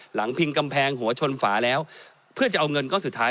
พิงกำแพงหัวชนฝาแล้วเพื่อจะเอาเงินก้อนสุดท้าย